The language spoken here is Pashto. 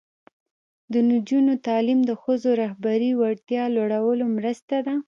د نجونو تعلیم د ښځو رهبري وړتیا لوړولو مرسته ده.